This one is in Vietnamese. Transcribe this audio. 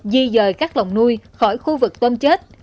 di dời các lồng nuôi khỏi khu vực tôm chết